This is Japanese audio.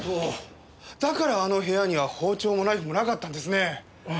だからあの部屋には包丁もナイフもなかったんですね。